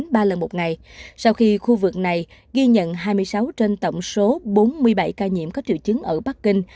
trong ba lần một ngày sau khi khu vực này ghi nhận hai mươi sáu trên tổng số bốn mươi bảy ca nhiễm có triệu chứng ở bắc kinh